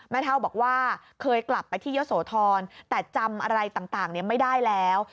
เท่าบอกว่าเคยกลับไปที่เยอะโสธรแต่จำอะไรต่างไม่ได้แล้ว